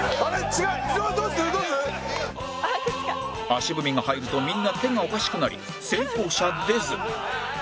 足踏みが入るとみんな手がおかしくなり成功者出ず